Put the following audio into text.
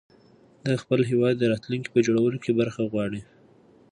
ده د خپل هېواد د راتلونکي په جوړولو کې برخه غواړي.